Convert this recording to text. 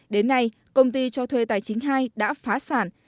đến nay công ty cho thuê tài chính hai đã phá sản